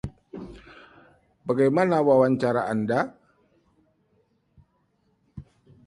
Bagaimana wawancara Anda?